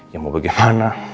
ya mau bagaimana